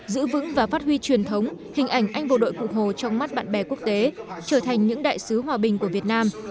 giữ vững và phát huy truyền thống hình ảnh anh bộ đội cụ hồ trong mắt bạn bè quốc tế trở thành những đại sứ hòa bình của việt nam